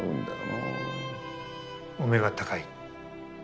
お目が高い。